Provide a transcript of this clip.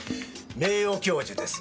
名誉教授です。